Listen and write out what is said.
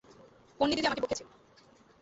পোন্নি দিদি আমাকে বকেছে।